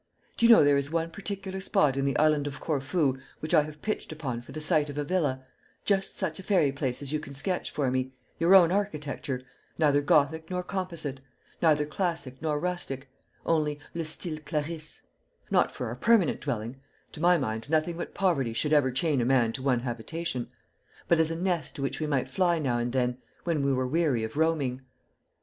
Do you know there is one particular spot in the island of Corfu which I have pitched upon for the site of a villa, just such a fairy place as you can sketch for me your own architecture neither gothic nor composite, neither classic nor rustic, only le style Clarisse; not for our permanent dwelling to my mind, nothing but poverty should ever chain a man to one habitation but as a nest to which we might fly now and then, when we were weary of roaming."